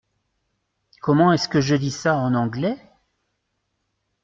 Comment est-ce que je dis ça en anglais ?